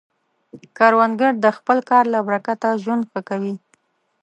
کروندګر د خپل کار له برکته ژوند ښه کوي